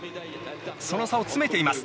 その差を詰めています。